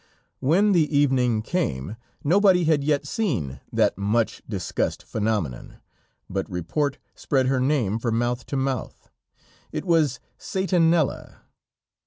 When the evening came, nobody had yet seen that much discussed phenomenon, but report spread her name from mouth to mouth; it was Satanella.